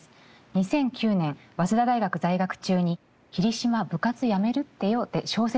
２００９年早稲田大学在学中に「桐島、部活やめるってよ」で小説